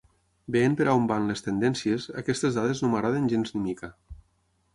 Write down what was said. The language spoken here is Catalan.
Veient per on van les tendències, aquestes dades no m’agraden gens ni mica.